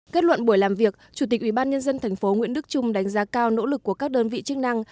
kết luận buổi làm việc chủ tịch ủy ban nhân dân thành phố nguyễn đức trung đánh giá cao nỗ lực của các đơn vị chức năng